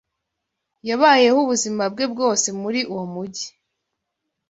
Yabayeho ubuzima bwe bwose muri uwo mujyi.